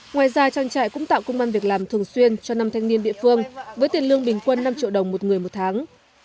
ngoài ra trang trại cũng tạo công an việc làm thường xuyên cho năm thanh niên địa phương với tiền lương bình quân năm triệu đồng một người một tháng